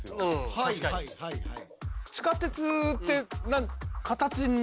はいはいはいはい。